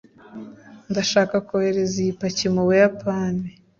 ndashaka kohereza iyi paki mubuyapani